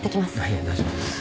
いや大丈夫です。